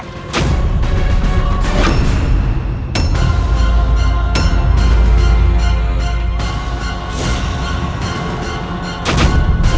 kau bisa menugerinkan tanda tanda